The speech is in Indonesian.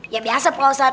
ya biasa pausat